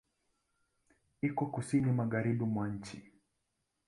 Iko Kusini magharibi mwa nchi.